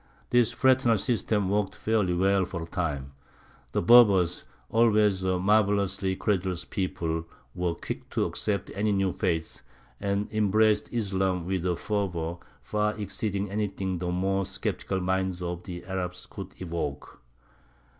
This fraternal system worked fairly well for a time. The Berbers, always a marvellously credulous people, were quick to accept any new faith, and embraced Islam with a fervour far exceeding anything the more sceptical mind of the Arab could evoke.